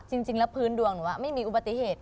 จริงแล้วพื้นดวงหนูไม่มีอุบัติเหตุ